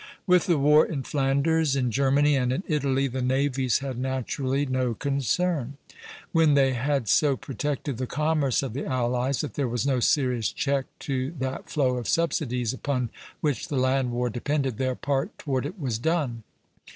With the war in Flanders, in Germany, and in Italy the navies had naturally no concern; when they had so protected the commerce of the allies that there was no serious check to that flow of subsidies upon which the land war depended, their part toward it was done.